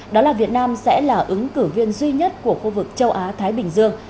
đó là việt nam sẽ là ứng cử viên duy nhất của khu vực châu á thái bình dương